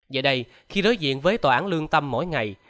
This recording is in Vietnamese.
giờ đây khi đối diện với tòa án lương tâm mỗi ngày